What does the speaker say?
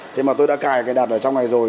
thế mà tôi đã cài cài đặt ở trong này rồi